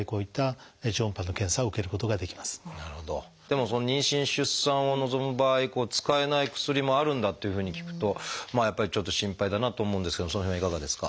でも妊娠・出産を望む場合使えない薬もあるんだっていうふうに聞くとまあやっぱりちょっと心配だなと思うんですけどもその辺はいかがですか？